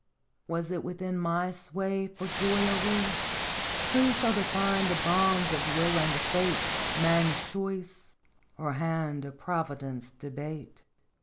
Was it within my sway for joy or rue? Who shall define the bounds of will and fate, Man's choice, or hand of Providence debate?